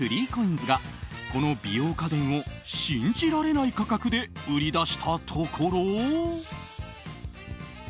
３ＣＯＩＮＳが、この美容家電を信じられない価格で売り出したところ。